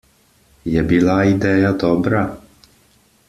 Je bila ideja dobra?